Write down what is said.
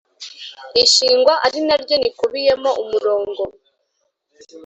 ishingwa arinaryo nikubiyemo umurongo